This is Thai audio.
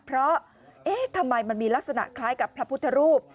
เพราะเอ๊ะทำไมมันมีลักษณะคล้ายกับพระพุทธรูป